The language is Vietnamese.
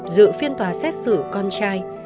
dự phiên tòa xét xử con trai